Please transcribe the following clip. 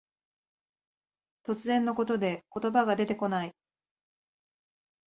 突然のことで言葉が出てこない。